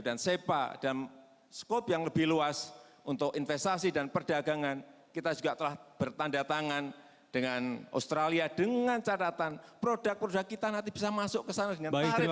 sepa dan skop yang lebih luas untuk investasi dan perdagangan kita juga telah bertanda tangan dengan australia dengan catatan produk produk kita nanti bisa masuk ke sana dengan baik